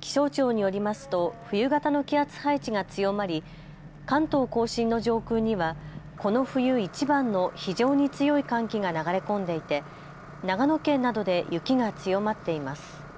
気象庁によりますと冬型の気圧配置が強まり関東甲信の上空にはこの冬いちばんの非常に強い寒気が流れ込んでいて長野県などで雪が強まっています。